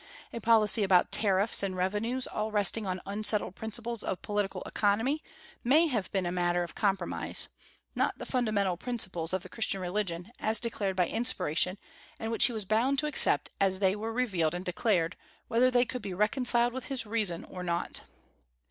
A policy about tariffs and revenues, all resting on unsettled principles of political economy, may have been a matter of compromise, not the fundamental principles of the Christian religion, as declared by inspiration, and which he was bound to accept as they were revealed and declared, whether they could be reconciled with his reason or not.